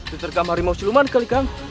ditergam hari musliman kali kang